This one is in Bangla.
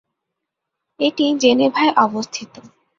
এটি জেনেভায় অবস্থিত।